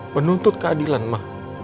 menuntut keadilan ma